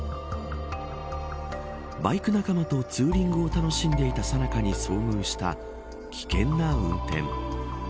バイク仲間とツーリングを楽しんでいたさなかに遭遇した危険な運転。